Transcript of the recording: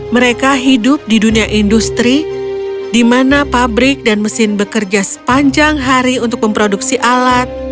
mereka hidup di dunia industri di mana pabrik dan mesin bekerja sepanjang hari untuk memproduksi alat